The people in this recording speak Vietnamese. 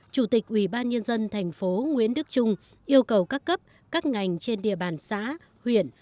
chủ tịch ubnd tp nguyễn đức trung yêu cầu các cấp các ngành trên địa bàn xã huyện